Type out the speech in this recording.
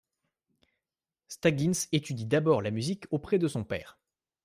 Staggins étudie d'abord la musique auprès de son père.